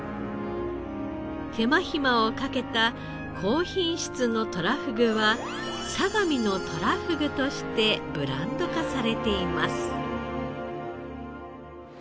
手間暇をかけた高品質のとらふぐは「相模のとらふぐ」としてブランド化されています。